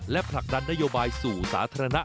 และผลักดันนโยบายสู่สาธารณะ